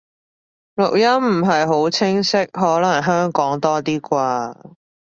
錄音唔係好清晰，可能香港多啲啩